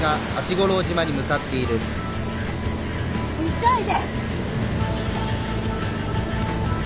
急いで！